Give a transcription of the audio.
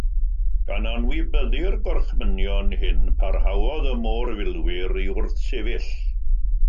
Gan anwybyddu'r gorchmynion hyn, parhaodd y môr filwyr i wrthsefyll.